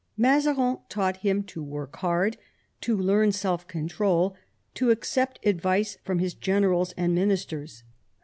Mazarin taught him to work hard, to learn self control, to accept advice from his generals and ministers.